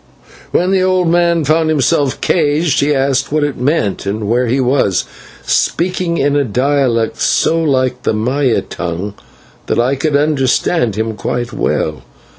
"When the old man found himself caged, he asked what it meant and where he was, speaking in a dialect so like the Maya tongue that I could understand him quite well.